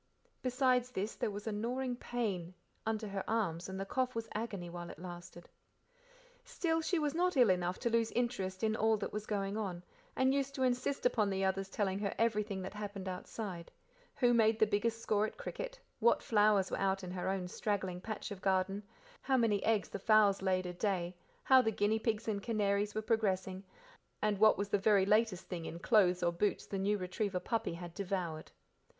Besides this, there was a gnawing pain, under her arms, and the cough was agony while it lasted. Still, she was not ill enough to lose interest in all that was going on, and used to insist upon the others telling her everything that happened outside who made the biggest score at cricket, what flowers were out in her own straggling patch of garden, how many eggs the fowls laid a day, how the guinea pigs and canaries were progressing, and what was the very latest thing in clothes or boots the new retriever puppy had devoured.